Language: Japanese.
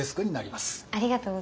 ありがとうございます。